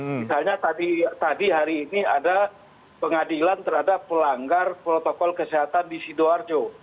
misalnya tadi hari ini ada pengadilan terhadap pelanggar protokol kesehatan di sidoarjo